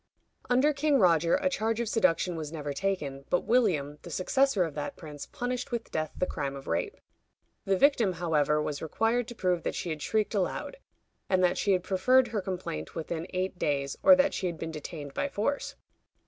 Under King Roger a charge of seduction was never taken, but William, the successor of that prince, punished with death the crime of rape. The victim, however, was required to prove that she had shrieked aloud, and that she had preferred her complaint within eight days, or that she had been detained by force.